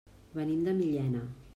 Venim de Millena.